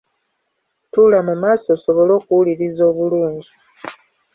Tuula mu maaso osobole okuwuliriza obululngi.